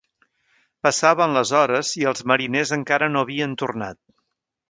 Passaven les hores i els mariners encara no havien tornat.